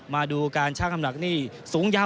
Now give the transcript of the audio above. มาดูการช่างน้ำหนักนี่สูงยาว